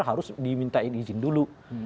harus berkaitan dengan perlengkaran terhadap hukum